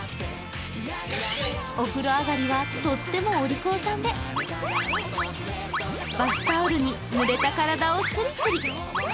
お風呂上がりは、とってもおりこうさんで、バスタオルにぬれた体をスリスリ。